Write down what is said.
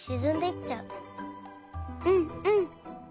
うんうん。